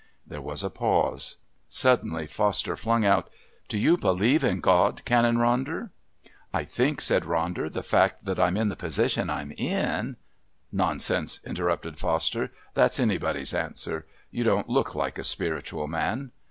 There was a pause. Suddenly Foster flung out, "Do you believe in God, Canon Ronder?" "I think," said Ronder, "the fact that I'm in the position I'm in " "Nonsense," interrupted Foster. "That's anybody's answer. You don't look like a spiritual man."